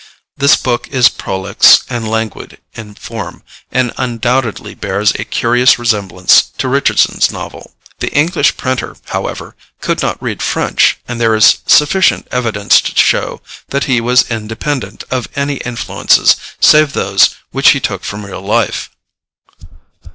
This book is prolix and languid in form, and undoubtedly bears a curious resemblance to Richardson's novel. The English printer, however, could not read French, and there is sufficient evidence to show that he was independent of any influences save those which he took from real life.